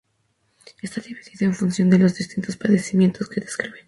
Está dividido en función de los distintos padecimientos que describe.